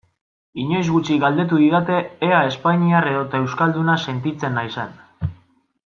Inoiz gutxi galdetu didate ea espainiar edota euskalduna sentitzen naizen.